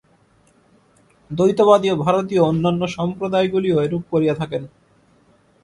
দ্বৈতবাদী ও ভারতীয় অন্যান্য সম্প্রদায়গুলিও এইরূপ করিয়া থাকেন।